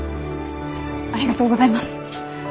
ありがとうございます！